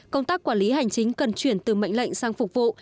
công tác quản lý hành chính cần chuyển từ mệnh lệnh sang phục vụ